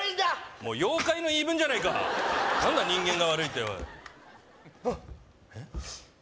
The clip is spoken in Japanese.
もう妖怪の言い分じゃないか何だ人間が悪いっておいあっえっ？